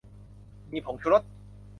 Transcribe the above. มีผงชูรส